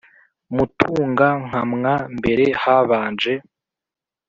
mutunga-nkamwa, mbere habanje